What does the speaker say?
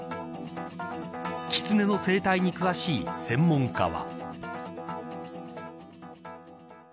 キツネの生態に詳しい専門家は。